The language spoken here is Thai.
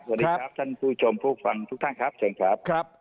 สวัสดีครับท่านผู้ชมผู้ฟังทุกท่านครับเชิญครับ